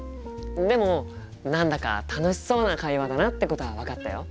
でも何だか楽しそうな会話だなってことは分かったよ。